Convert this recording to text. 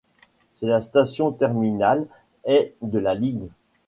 C'est la station terminale est de la ligne.